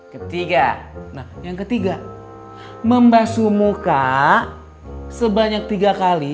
ketiga nah yang ketiga membasu muka sebanyak tiga kali